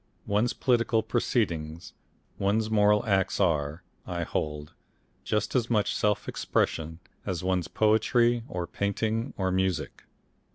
One's political proceedings, one's moral acts are, I hold, just as much self expression as one's poetry or painting or music.